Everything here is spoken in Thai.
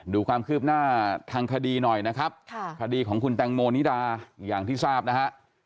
ดูความคืบหน้าทางคดีหน่อยนะครับคดีของคุณแตงโมนิดาอย่างที่ทราบนะฮะ